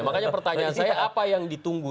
makanya pertanyaan saya apa yang ditunggu